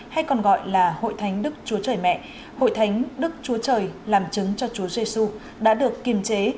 hay còn gọi là hội thánh đức chúa trời mẹ hội thánh đức chúa trời làm chứng cho chúa giê xu đã được kiềm chế